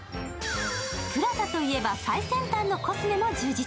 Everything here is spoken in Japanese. ＰＬＡＺＡといえば最先端のコスメも充実。